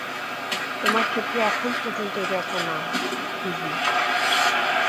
তোমার ক্ষেত্রে এখন পর্যন্ত এটা একটা নাম, ইযি।